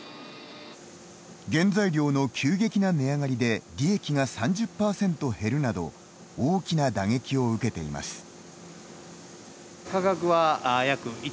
原材料の急激な値上がりで利益が３０％減るなど大きな打撃を受けています。